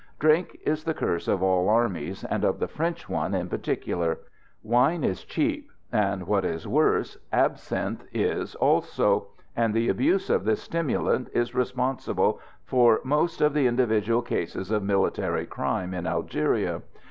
Drink is the curse of all armies, and of the French one in particular. Wine is cheap, and, what is worse, absinthe is also; and the abuse of this stimulant is responsible for most of the individual cases of military crime in Algeria.